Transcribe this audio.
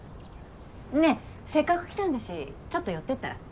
ねえせっかく来たんだしちょっと寄ってったら？